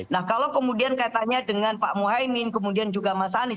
nah kalau kemudian kaitannya dengan pak muhaymin kemudian juga mas anies